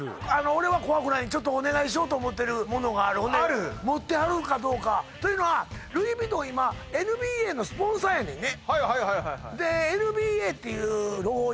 俺は怖くないちょっとお願いしようと思ってる物があるほんで持ってはるのかどうかというのはルイ・ヴィトン今ＮＢＡのスポンサーやねんね